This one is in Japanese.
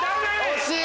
惜しい！